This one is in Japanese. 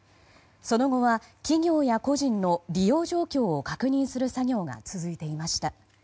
その後は企業や個人の利用状況を確認する作業が続いていました。